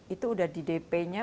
itu udah di dp nya